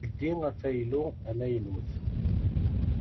Ldi afaylu amaynut.